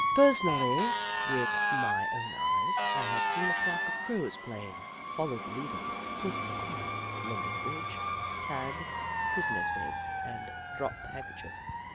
Personally, with my own eyes, I have seen a flock of Crows playing " Follow the Leader," " Puss in the Corner," " London Bridge," "Tag," "Prisoner's Base," and " Drop the Handkerchief."